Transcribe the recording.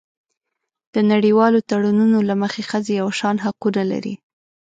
د نړیوالو تړونونو له مخې ښځې یو شان حقونه لري.